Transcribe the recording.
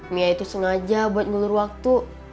mia itu sengaja buat ngulur waktu